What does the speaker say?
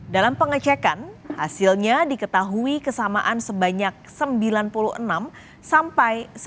dalam pengecekan hasilnya diketahui kesamaan sebanyak sembilan puluh enam sampai sembilan puluh tujuh persen dalam tiga artikel